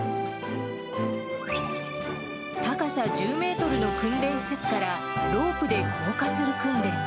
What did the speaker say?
高さ１０メートルの訓練施設からロープで降下する訓練。